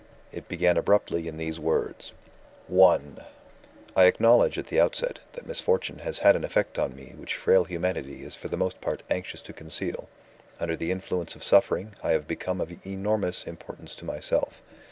It began abruptly in these words: I "I acknowledge, at the outset, that misfortune has had an effect on me which frail humanity is for the most part anxious to conceal. Under the influence of suffering, I have become of enormous importance to myself.